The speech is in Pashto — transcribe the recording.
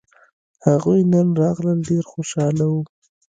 هغوی نن راغلل ډېر خوشاله وو